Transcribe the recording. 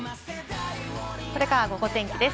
これからのゴゴ天気です。